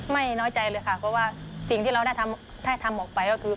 น้อยใจเลยค่ะเพราะว่าสิ่งที่เราได้ทำออกไปก็คือ